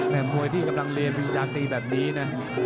มวยที่กำลังเรียนวิจาตีแบบนี้นะ